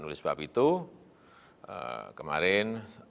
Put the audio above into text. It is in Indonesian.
oleh sebab itu kemarin